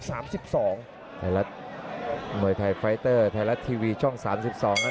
ไทยรัฐมือไทยไฟตเตอร์ไทยรัฐทีวีช่อง๓๒